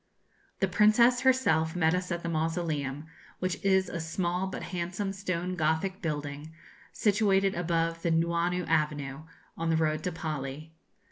The Princess herself met us at the Mausoleum, which is a small but handsome stone Gothic building, situated above the Nuuanu Avenue, on the road to the Pali.